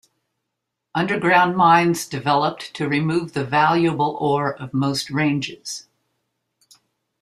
Underground mines developed to remove the valuable ore of most ranges.